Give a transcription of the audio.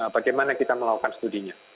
bagaimana kita melakukan studinya